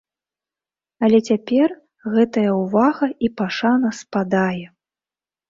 Але цяпер гэтая ўвага і пашана спадае.